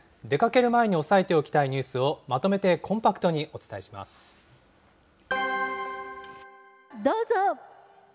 出かける前に押さえておきたいニュースをまとめてコンパクトにおどうぞ。